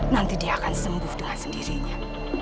nanti dia akan sembuh dengan sendirinya